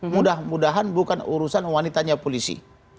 mudah mudahan bukan urusan wanitanya polisi